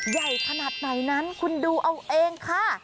ใหญ่ขนาดไหนนั้นคุณดูเอาเองค่ะ